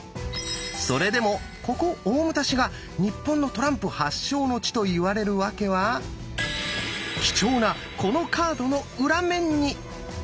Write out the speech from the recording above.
それでもここ大牟田市が日本のトランプ発祥の地と言われる訳は貴重なこのカードの裏面に！